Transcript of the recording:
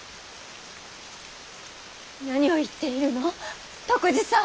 何を言っているの篤二さん！